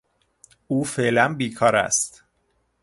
او فعلا بیکار است.